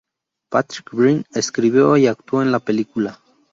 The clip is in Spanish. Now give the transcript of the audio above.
Patrick Breen, escribió y actuó en la película.